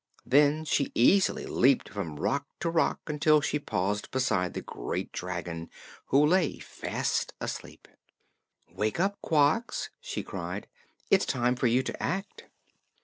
Then she easily leaped from rock to rock until she paused beside the great dragon, who lay fast asleep. "Wake up, Quox!" she cried. "It is time for you to act."